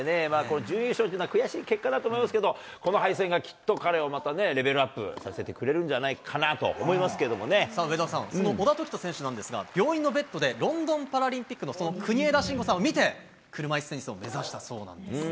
準優勝っていうのは悔しい結果だと思いますけど、この敗戦がきっと彼をまたね、レベルアップさせてくれるんじゃないかなと思いまさあ、上田さん、その小田凱人選手なんですが、病院のベッドで、ロンドンパラリンピックのそう、国枝慎吾さんを見て、車いすテニスを目指したそうなんですね。